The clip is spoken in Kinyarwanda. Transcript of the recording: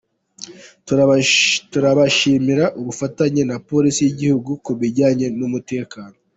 Turabashimira ubufatanye na Polisi y’Igihugu ku bijyanye n’umutekano.